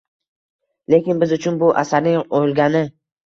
lekin biz uchun bu asarning o‘lgani.